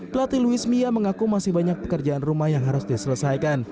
pelatih luis mia mengaku masih banyak pekerjaan rumah yang harus diselesaikan